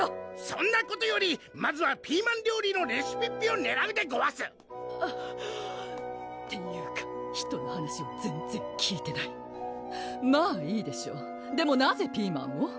そんなことよりまずはピーマン料理のレシピッピをねらうでごわすっていうか人の話を全然聞いてないまぁいいでしょうでもなぜピーマンを？